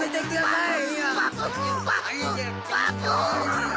はい！